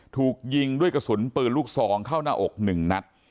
ถูกยิงด้วยกระสุนปืนลูกซองเข้าหน้าอก๑นัด